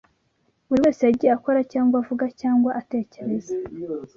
buri wese yagiye akora, cyangwa avuga cyangwa atekereza